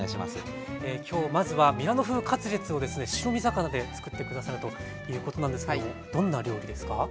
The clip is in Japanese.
今日まずはミラノ風カツレツをですね白身魚でつくって下さるということなんですけどもどんな料理ですか？